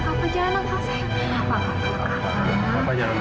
kava janganlah sayang